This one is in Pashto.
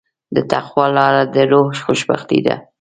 د تقوی لاره د روح خوشبختي ده.